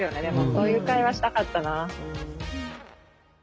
そういう会話したかったな。